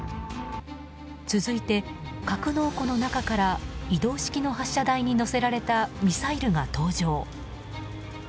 続いて、格納庫の中から移動式の発射台に載せられたミサイルが登場。